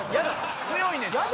強いねん。